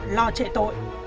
lo chạy tội